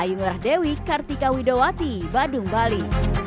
ayung rahdewi kartika widowati badung bali